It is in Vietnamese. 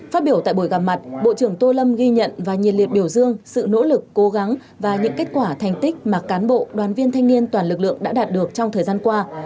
phát biểu tại buổi gặp mặt bộ trưởng tô lâm ghi nhận và nhiệt liệt biểu dương sự nỗ lực cố gắng và những kết quả thành tích mà cán bộ đoàn viên thanh niên toàn lực lượng đã đạt được trong thời gian qua